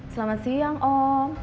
selamat siang om